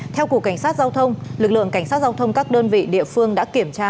theo cục cảnh sát giao thông lực lượng cảnh sát giao thông các đơn vị địa phương đã kiểm tra